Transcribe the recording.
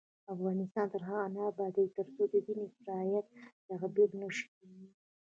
افغانستان تر هغو نه ابادیږي، ترڅو دین په افراطیت تعبیر نشي.